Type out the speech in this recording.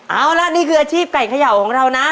เอาละนี่คืออาชีพไก่เขย่าของเรานะ